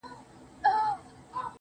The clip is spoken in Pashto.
زړه مي را خوري~